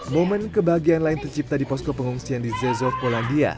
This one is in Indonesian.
momen kebahagiaan lain tercipta di posko pengungsian di zezor polandia